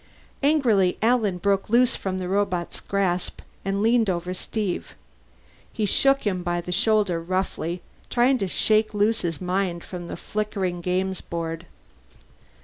Angrily Alan broke loose from the robot's grasp and leaned over Steve. He shook him by the shoulder, roughly, trying to shake loose his mind from the flickering games board.